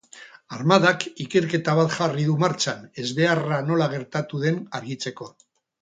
Armadak ikerketa bat jarri du martxan ezbeharra nola gertatu den argitzeko.